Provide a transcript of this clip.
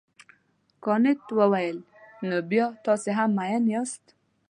کانت وویل نو بیا تاسي هم مین یاست.